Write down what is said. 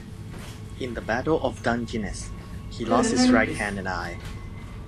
In the Battle of Dungeness, he lost his right hand and eye.